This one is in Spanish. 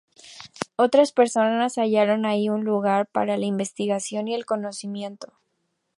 Otras personas hallaron allí un lugar para la investigación y el conocimiento.